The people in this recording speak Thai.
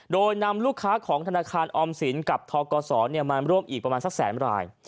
โดยนำลูกค้าของธนาคารออมสินกับทกศมาร่วมอีกประมาณสักแสนราย